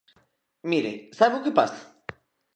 Mire, ¿sabe o que pasa?